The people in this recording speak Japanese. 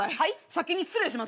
先に失礼します。